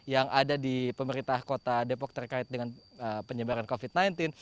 yang ada di pemerintah kota depok terkait dengan penyebaran covid sembilan belas